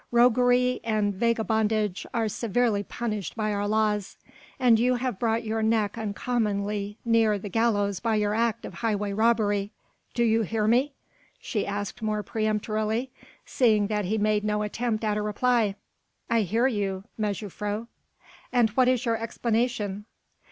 Roguery and vagabondage are severely punished by our laws, and you have brought your neck uncommonly near the gallows by your act of highway robbery. Do you hear me?" she asked more peremptorily, seeing that he made no attempt at a reply. "I hear you, mejuffrouw." "And what is your explanation?"